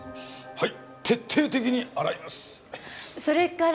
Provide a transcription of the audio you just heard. はい。